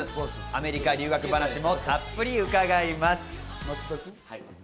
アメリカ留学話もたっぷり伺います。